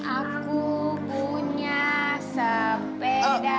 aku punya sepeda